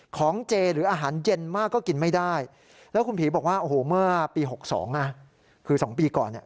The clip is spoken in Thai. ของเจหรืออาหารเย็นมากก็กินไม่ได้แล้วคุณผีบอกว่าโอ้โหเมื่อปี๖๒นะคือ๒ปีก่อนเนี่ย